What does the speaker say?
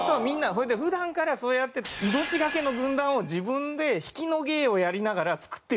それで普段からそうやって命がけの軍団を自分で引きの芸をやりながら作っているんです。